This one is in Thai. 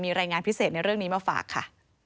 มีรายงานพิเศษในเรื่องนี้มาฝากค่ะ